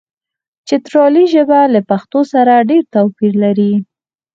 چترالي ژبه له پښتو سره ډېر توپیر لري.